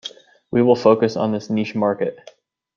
We will focus on this niche market.